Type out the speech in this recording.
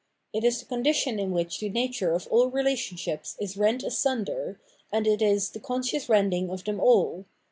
It is the condition in which the nature of all relationships is rent asunder, and it is the conscious rending of them all.